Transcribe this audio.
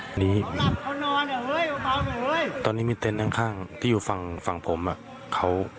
ตอนนี้ตอนนี้มีเต็นต์ข้างที่อยู่ฝั่งฝั่งผมอ่ะเขา